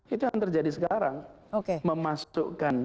itu yang terjadi sekarang memasukkan